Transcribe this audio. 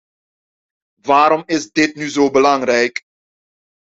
Waarom is dit nu zo belangrijk?